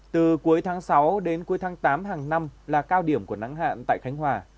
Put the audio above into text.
từ cuối tháng sáu đến cuối tháng tám hàng năm là cao điểm của nắng hạn tại khánh hòa